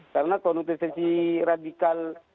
karena konotasi radikal